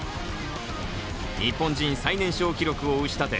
日本人最年少記録を打ち立て